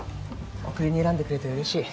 送りに選んでくれてうれしい。